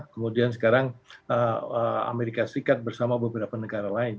kemudian sekarang amerika serikat bersama beberapa negara lain